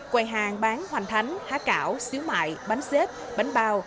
quầy hàng bán hoành thánh há cảo xíu mại bánh xếp bánh bao